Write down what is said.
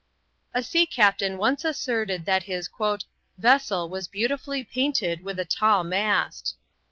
A sea captain once asserted that his "vessel was beautifully painted with a tall mast."